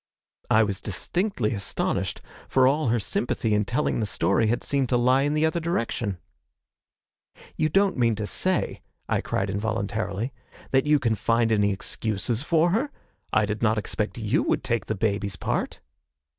I was distinctly astonished, for all her sympathy in telling the story had seemed to lie in the other direction. 'You don't mean to say,' I cried involuntarily, 'that you can find any excuses for her? I did not expect you would take the baby's part!'